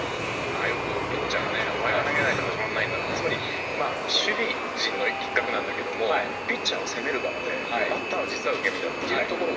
よくピッチャーはお前が投げないと始まらない守備陣の一角なんだけれどもピッチャーが攻める側でバッターは実は受け身だというところ。